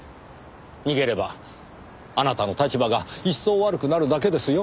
逃げればあなたの立場が一層悪くなるだけですよ。